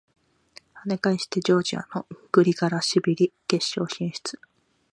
跳ね返してジョージアのグリガラシビリ決勝進出！